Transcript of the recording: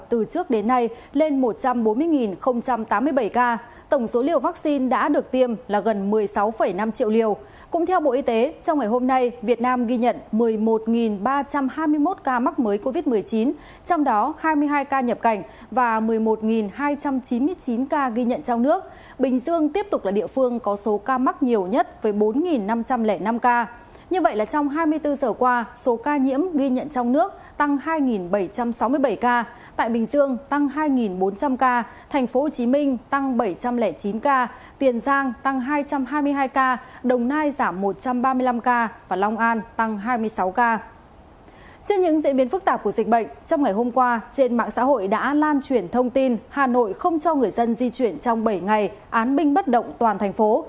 trên những diễn biến phức tạp của dịch bệnh trong ngày hôm qua trên mạng xã hội đã lan truyền thông tin hà nội không cho người dân di chuyển trong bảy ngày án binh bất động toàn thành phố